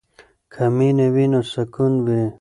که مینه وي نو سکون وي.